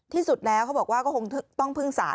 ที่สุดแล้วเขาบอกว่าก็คงต้องพึ่งสาร